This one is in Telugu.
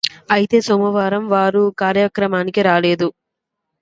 అయితే సోమవారం వారు కార్యలయానికి రాలేదు